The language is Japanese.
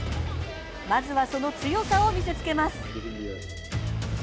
まずは、その強さを見せつけます。